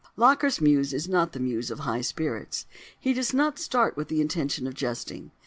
Locker's Muse is not the Muse of high spirits. He does not start with the intention of jesting.